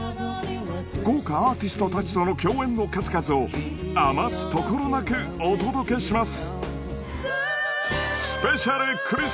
豪華アーティストたちとの共演の数々を余すところなくお届けします